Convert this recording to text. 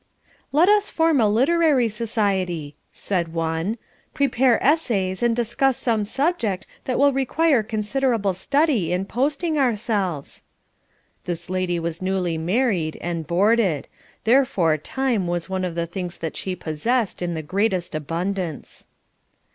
"Let us form a literary society," said one; "prepare essays, and discuss some subject that will require considerable study in posting ourselves." This lady was newly married, and "boarded;" therefore time was one of the things that she possessed in the greatest abundance.